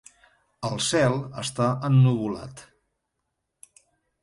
El cel està ennuvolat.